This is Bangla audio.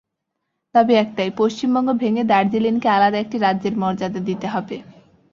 দাবি একটাই, পশ্চিমবঙ্গ ভেঙে দার্জিলিংকে আলাদা একটি রাজ্যের মর্যাদা দিতে হবে।